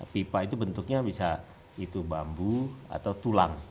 pipa itu bentuknya bisa itu bambu atau tulang